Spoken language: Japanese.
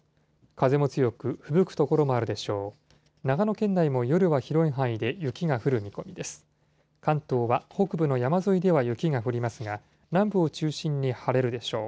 風も強く、ふぶく所もあるでしょう。